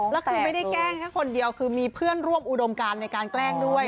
แล้วคือไม่ได้แกล้งแค่คนเดียวคือมีเพื่อนร่วมอุดมการในการแกล้งด้วย